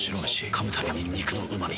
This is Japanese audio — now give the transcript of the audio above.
噛むたびに肉のうま味。